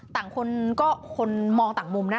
ต่างคนก็คนมองต่างมุมนะ